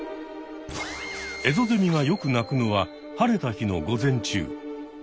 エゾゼミがよく鳴くのは晴れた日の午前中。